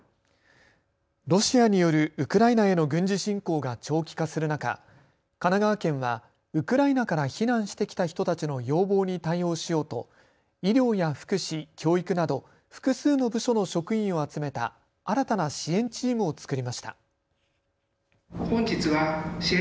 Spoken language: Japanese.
ロシアによるウクライナへの軍事侵攻が長期化する中、神奈川県はウクライナから避難してきた人たちの要望に対応しようと医療や福祉、教育など複数の部署の職員を集めた新たな支援チームを作りました。